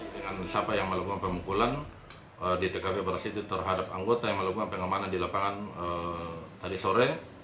dengan siapa yang melakukan pemukulan di tkp beras itu terhadap anggota yang melakukan pengamanan di lapangan tadi sore